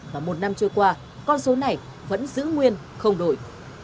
và một năm trôi qua con số này vẫn giữ nguyên không đổi